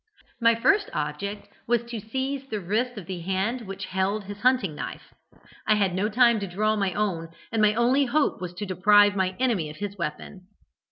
"My first object was to seize the wrist of the hand which held his hunting knife. I had no time to draw my own, and my only hope was to deprive my enemy of his weapon.